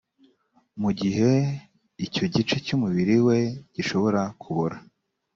mu gihe icyo gice cy umubiri we gishobora kubora